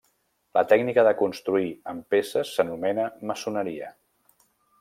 La tècnica de construir amb peces s'anomena maçoneria.